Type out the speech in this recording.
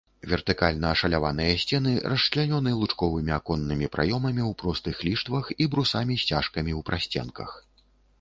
Вертыкальна ашаляваныя сцены расчлянёны лучковымі аконнымі праёмамі ў простых ліштвах і брусамі-сцяжкамі ў прасценках.